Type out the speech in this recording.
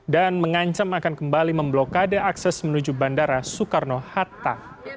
dan mengancam akan kembali memblokade akses menuju bandara soekarno hatta